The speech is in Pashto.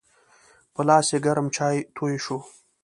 په لاس یې ګرم چای توی شو.